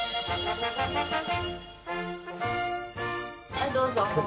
はいどうぞ。